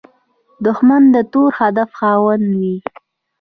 دښمن د تور هدف خاوند وي